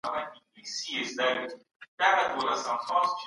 انځورونه د پیغام په رسولو کې مرسته کوي.